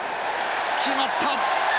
決まった！